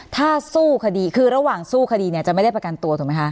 ถ้าสู้คดีคือระหว่างสู้คดีเนี่ยจะไม่ได้ประกันตัวถูกไหมคะ